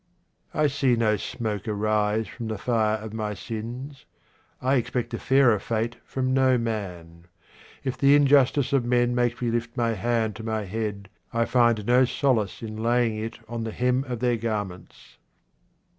I see no smoke arise from the fire of my sins. I expect a fairer fate from no man. If the injustice of men makes me lift my hand to my head, I find no solace in laying it on the hem of their garments.